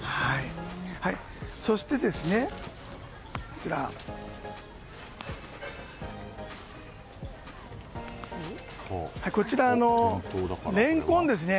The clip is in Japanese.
そして、レンコンですね。